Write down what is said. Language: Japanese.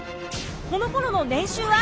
このころの年収は？